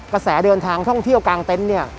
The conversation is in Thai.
กระแสเดินทางท่องเที่ยวกลางเต็นต์เนี่ย